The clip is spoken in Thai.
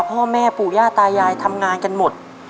พ่อแม่ปู่ย่าตายายทำงานกันหมด